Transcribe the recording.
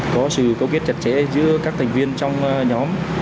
có sự cấu kết chặt chẽ giữa các thành viên trong nhóm